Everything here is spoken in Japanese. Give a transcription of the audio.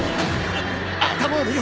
頭を見ろ！